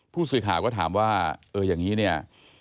ผู้ศึกหาก็ถามว่าเอออย่างนี้เนี่ย